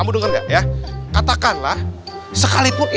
boleh peluk sopri